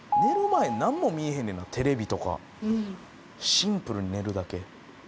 シンプルに寝るだけ。